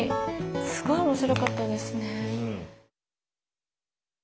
すごい面白かったですね。